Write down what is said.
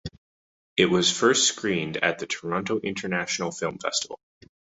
It was first screened at the Toronto International Film Festival.